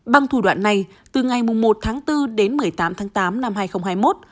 bằng thủ đoạn này từ ngày một tháng bốn đến một mươi tám tháng tám năm hai nghìn hai mươi một